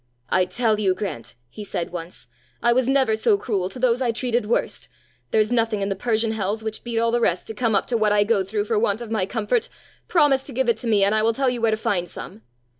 "I tell you, Grant," he said once, "I was never so cruel to those I treated worst. There's nothing in the Persian hells, which beat all the rest, to come up to what I go through for want of my comfort. Promise to give it me, and I will tell you where to find some."